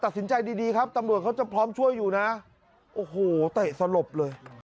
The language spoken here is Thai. สินใจดีดีครับตำรวจเขาจะพร้อมช่วยอยู่นะโอ้โหเตะสลบเลย